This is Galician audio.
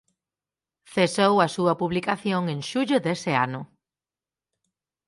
Cesou a súa publicación en xullo dese ano.